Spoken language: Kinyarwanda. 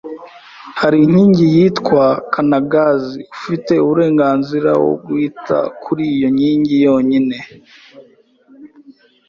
Hari inkingi yitwa kanagazi ufite uurenganzira wo guhita kuri iyo nkingi yonyine